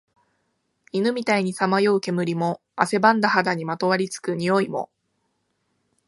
犬みたいにさまよう煙も、汗ばんだ肌にまとわり付く臭いも、